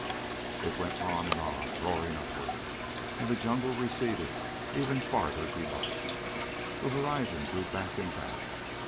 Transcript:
It went on and on, roaring upward, and the jungle receded ever farther below it. The horizon drew back and back.